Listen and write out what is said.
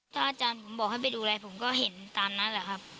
ถ้าอาจารย์ผมบอกให้ไปดูอะไรผมก็เห็นตามนั้นแหละครับ